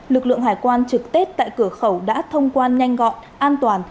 lực lượng hải quan trực tết tại cửa khẩu đã thông quan nhanh gọn an toàn